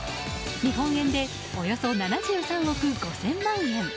日本円でおよそ７３億５０００万円。